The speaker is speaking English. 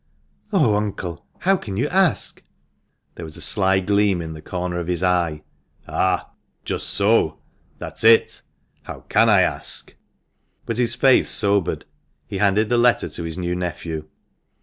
"Oh, uncle! How can you ask?" There was a sly gleam in the corner of his eye. "Ah! just so. That's it. How can I ask?" But his face sobered. He handed the letter to his new nephew.